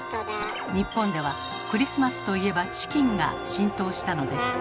日本では「クリスマスといえばチキン」が浸透したのです。